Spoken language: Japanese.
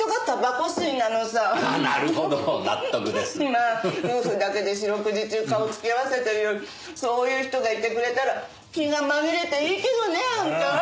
まあ夫婦だけで四六時中顔を突き合わせてるよりそういう人がいてくれたら気が紛れていいけどねあんた。